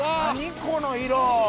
この色！